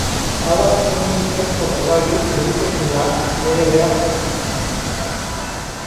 Adam tiene un disquete sobre Riley y le dice que la Dra.